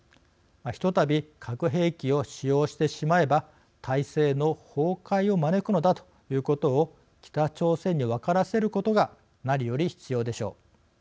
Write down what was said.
ひとたび核兵器を使用してしまえば体制の崩壊を招くのだということを北朝鮮に分からせることが何より必要でしょう。